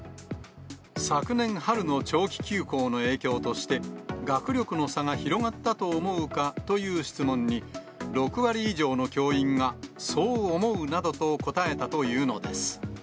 昨年春の長期休校の影響として、学力の差が広がったと思うかという質問に、６割以上の教員が、そう思うなどと答えたというのです。